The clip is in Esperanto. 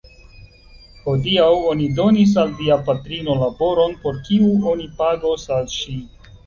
Hodiaŭ oni donis al via patrino laboron, por kiu oni pagos al ŝi.